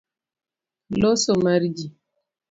Loso mar ji.